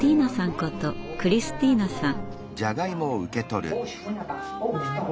ことクリスティーナさん。